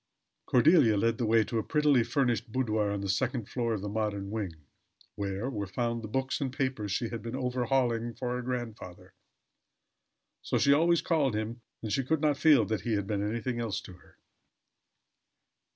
Cordelia led the way to a prettily furnished boudoir on the second floor of the modern wing, where were found the books and papers she had been overhauling for her grandfather. So she always called him, and she could not feel that he had been anything else to her.